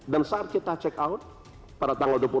dan saat kita check out pada tanggal